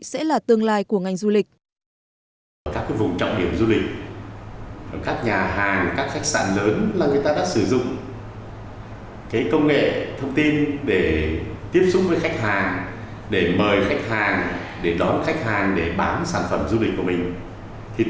sẽ là tương lai của ngành du lịch